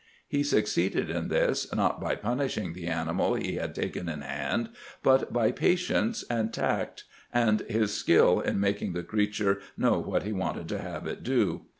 He succeeded in this, not by punishing the animal he had taken in hand, but by patience and tact, and his skill in making the creature know what he wanted to have it do.